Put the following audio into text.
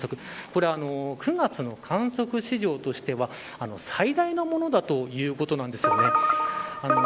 これは、９月の観測史上としては最大のものだということなんです。